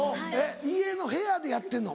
家の部屋でやってんの？